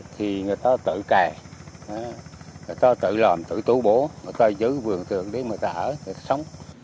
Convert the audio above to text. thì người ta tự kè người ta tự làm tự tụ bố người ta giữ vườn tường để người ta ở để sống